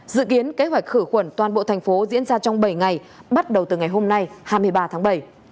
dự kiến kế hoạch khử khuẩn toàn bộ thành phố diễn ra trong bảy ngày bắt đầu từ ngày hôm nay hai mươi ba tháng bảy